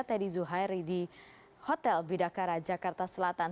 teddy zuhairi di hotel bidakara jakarta selatan